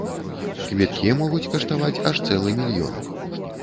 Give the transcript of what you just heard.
Квіткі могуць каштаваць аж цэлы мільён.